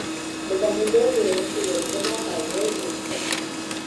د کمپیوټر جوړونکي وویل زه به هایبریډ جوړ کړم